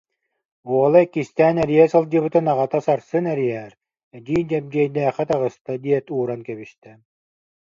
Уола иккистээн эрийэ сылдьыбытын аҕата «сарсын эрийээр, эдьиий Дьэбдьиэйдээххэ таҕыста» диэт, ууран кэбистэ